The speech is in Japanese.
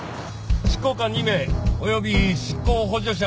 執行官２名および執行補助者１０名。